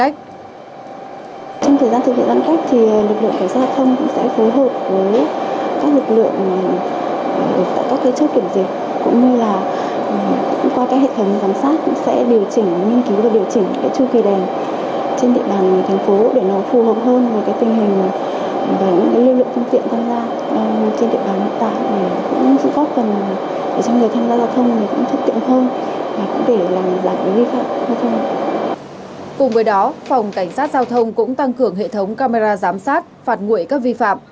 cùng với đó phòng cảnh sát giao thông cũng tăng cường hệ thống camera giám sát phạt nguội các vi phạm